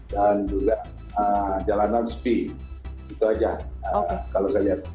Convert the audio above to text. juga jalanan sepi itu aja kalau saya lihat